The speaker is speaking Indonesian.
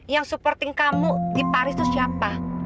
yang supporting kamu di paris itu siapa